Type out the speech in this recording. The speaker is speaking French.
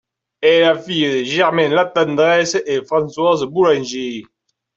Elle est la fille de Germain Latendresse et de Françoise Boulanger.